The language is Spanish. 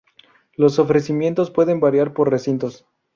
Los ofrecimientos pueden variar por Recintos.